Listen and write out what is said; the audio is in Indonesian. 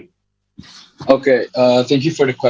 oke terima kasih untuk pertanyaan